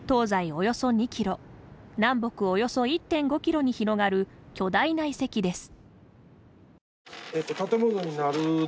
およそ２キロ南北およそ１．５キロに広がる巨大な遺跡です。